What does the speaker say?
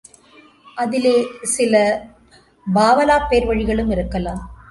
அதிலே சில பாவலாப் பேர்வழிகளும் இருக்கலாம்.